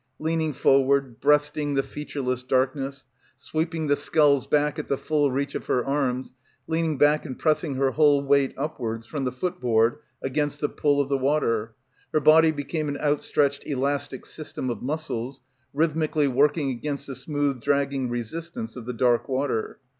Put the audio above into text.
Leaning forward, breasting the featureless darkness, sweeping the sculls back at the full reach of her arms, leaning back and pressing her whole weight upwards from the foot board against the pull of the water, her body became an outstretched elastic system of muscles, rhythmically working against the smooth dragging resistance of the dark water.